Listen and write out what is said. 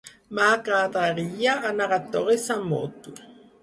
M'agradaria anar a Torís amb moto.